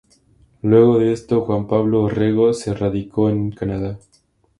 Luego de esto, Juan Pablo Orrego se radicó en Canadá.